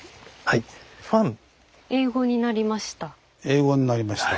英語になりました。